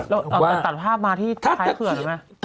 เอากันตัดภาพมาที่ท้ายเผื่อหรือเปล่า